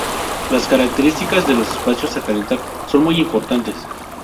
Las características de los espacios a calentar son muy importantes.